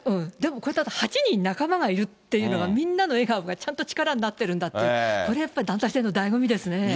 でも、こうやって８人仲間がいるっていうのが、みんなの笑顔がちゃんと力になってるんだって、これやっぱり団体戦のだいご味ですね。